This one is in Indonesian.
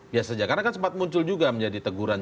biasa saja karena kan sempat muncul juga menjadi teguran